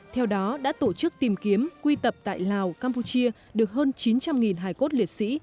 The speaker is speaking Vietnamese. theo đó đã tổ chức tìm kiếm quy tập tại lào campuchia được hơn chín trăm linh hài cốt liệt sĩ